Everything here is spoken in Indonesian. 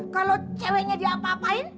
kalo ceweknya dia apa apain